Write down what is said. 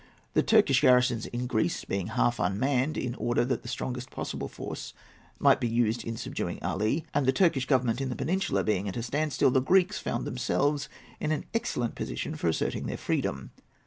The Turkish garrisons in Greece being half unmanned in order that the strongest possible force might be used in subduing Ali, and Turkish government in the peninsula being at a standstill, the Greeks found themselves in an excellent position for asserting their freedom.